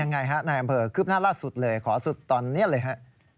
ยังไงฮะนายอำเภอคืบหน้าล่าสุดเลยขอสุดตอนนี้เลยฮะ